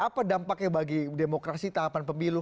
apa dampaknya bagi demokrasi tahapan pemilu